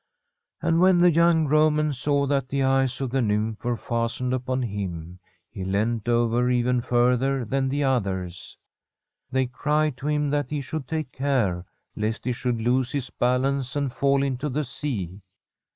And when the young Roman saw that the eyes of the nymph were ^stened upon him, he leant over even further than the others. They cried to him that he should take care, lest he should lose his balance and fall into the sea.